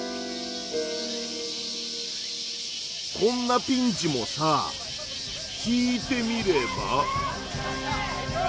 こんなピンチもさ引いてみれば。